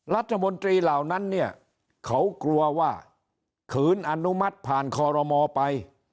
รัฐมนตรีเหล่านั้นเนี่ยเขากลัวว่าขืนอนุมัติผ่านคอรมอไป